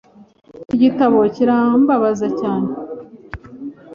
Iki gitabo kirambabaza cyane.